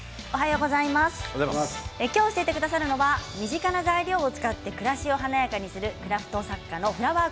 今日教えてくださるのは身近な材料を使って暮らしを華やかにするクラフト作家のフラワー